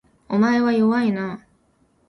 お前は弱いな